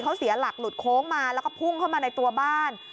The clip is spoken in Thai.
เขาเสียหลักหลุดโค้งมาแล้วก็พุ่งเข้ามาในตัวบ้าน